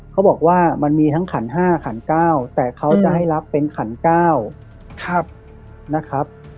เขาบอกว่ามันมีทั้งขัน๕ขัน๙แต่เขาจะให้รับเป็นขัน๙นะครับ